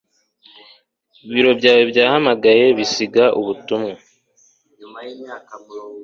Ibiro byawe byahamagaye bisiga ubutumwa.